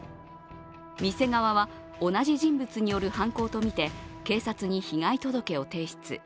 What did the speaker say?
店側は同じ人物による犯行とみて警察に被害届を提出。